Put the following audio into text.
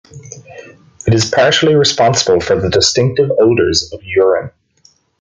It is partially responsible for the distinctive odors of urine.